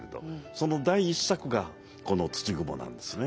その第一作がこの「土蜘」なんですね。